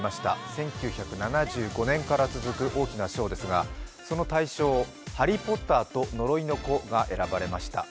１９７５年から続く大きな賞ですが、その大賞、「ハリー・ポッターと呪いの子」が選ばれました。